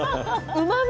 うまみ！